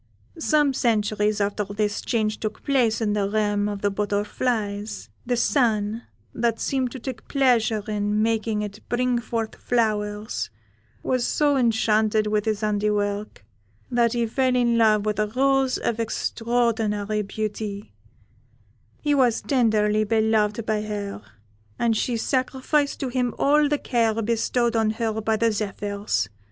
Some centuries after this change took place in the realm of the butterflies, the Sun, that seemed to take pleasure in making it bring forth flowers, was so enchanted with his handiwork, that he fell in love with a rose of extraordinary beauty; he was tenderly beloved by her, and she sacrificed to him all the care bestowed on her by the zephyrs.